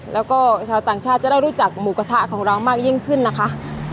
แล้วก็ชาวต่างชาติจะได้รู้จักหมูกระทะของเรามากยิ่งขึ้นนะคะ